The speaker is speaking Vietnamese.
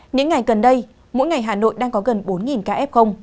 những ngày gần đây mỗi ngày hà nội đang có gần bốn ca f